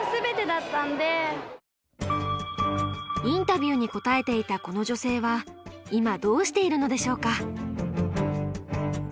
インタビューに答えていたこの女性はいまどうしているのでしょうか。